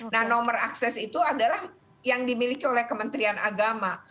nah nomor akses itu adalah yang dimiliki oleh kementerian agama